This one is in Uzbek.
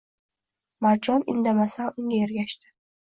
Marjon indamasdan unga ergashdi